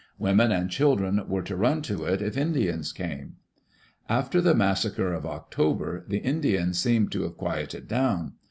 Women and children were to run to it if Indians came. After the massacre of October, the Indians seemed to have quieted down.